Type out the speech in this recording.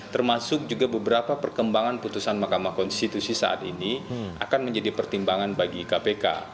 termasuk juga beberapa perkembangan putusan mahkamah konstitusi saat ini akan menjadi pertimbangan bagi kpk